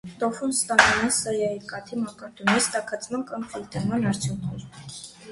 Տոֆուն ստանում են սոյայի կաթի մակարդումից տաքացման կամ ֆիլտրման արդյունքում։